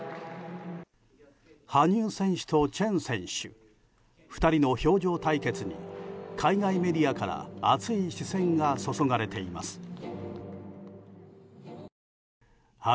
羽生選手とチェン選手２人の氷上対決に海外メディアから熱い視線が注がれています。